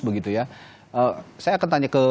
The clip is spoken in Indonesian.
begitu ya saya akan tanya ke